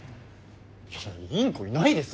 インコいないです。